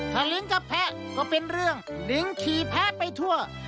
ถ้าลิ้นกับแพ้ก็เป็นเรื่องลิงขี่แพะไปทั่ว